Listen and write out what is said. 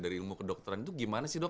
dari ilmu kedokteran itu gimana sih dok